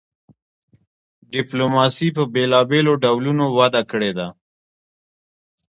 ډیپلوماسي په بیلابیلو ډولونو وده کړې ده